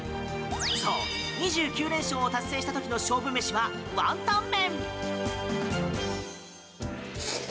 そう、２９連勝を達成した時の勝負飯はワンタン麺。